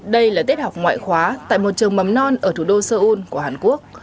đây là tết học ngoại khóa tại một trường mập non ở thủ đô seoul của hàn quốc